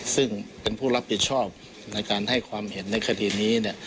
ซึ่งเป็นผู้รับผิดชอบในการให้ความเห็นในคดีนี้